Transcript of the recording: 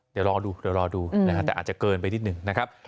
เดี๋ยวรอดูนะครับแต่อาจจะเกินไปนิดนึงนะครับ